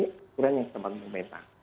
kekuran yang tempat meminta